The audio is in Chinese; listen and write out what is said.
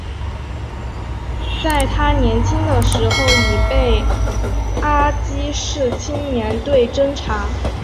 在他年轻的时候已被阿积士青年队侦察。